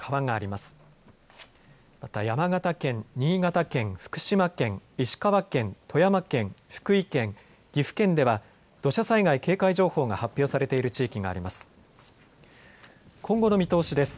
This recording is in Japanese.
また山形県、新潟県、福島県、石川県、富山県、福井県、岐阜県では土砂災害警戒情報が発表されている地域があります。